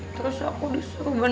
terus aku disuruh beneran